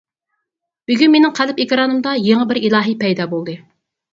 بۈگۈن مېنىڭ قەلب ئېكرانىمدا يېڭى بىر ئىلاھە پەيدا بولدى.